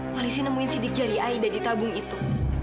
polisi nemuin sidik jari aida di tabung itu